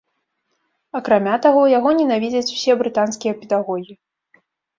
Акрамя таго, яго ненавідзяць усе брытанскія педагогі.